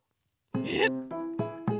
えっ？